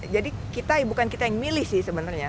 jadi bukan kita yang memilih sebenarnya